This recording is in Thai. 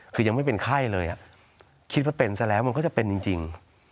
คือยังไม่เป็นไข้เลยคิดว่าเป็นซะแล้วมันก็จะเป็นจริง